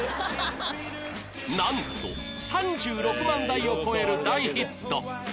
なんと３６万台を超える大ヒット！